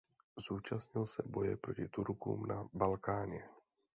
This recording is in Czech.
Zúčastnil se boje proti Turkům na Balkáně.